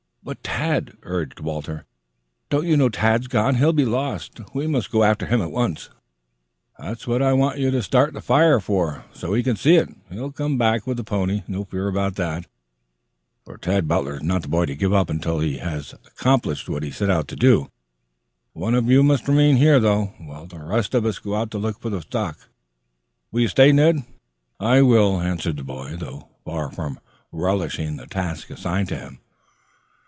"But Tad?" urged Walter. "Don't you know Tad's gone? He'll be lost. We must go after him at once." "That's what I want you to start the fire for so he can see it. He'll come back with the pony. No fear about that, for Tad Butler is not the boy to give up until he has accomplished what he's set out to do. One of you must remain here, though, while the rest of us go out to look for the stock. Will you stay, Ned?" "I will," answered the boy, though far from relishing the task assigned to him.